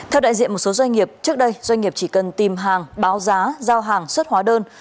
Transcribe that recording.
theo đại diện một số doanh nghiệp trước đây doanh nghiệp chỉ cần tìm hàng báo giá giao hàng xuất hóa đơn